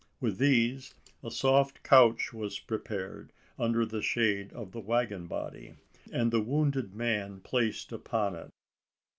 With these, a soft couch was prepared under the shade of the waggon body, and the wounded man placed upon it.